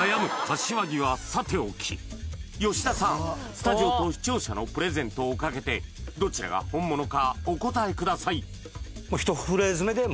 スタジオと視聴者のプレゼントをかけてどちらが本物かお答えください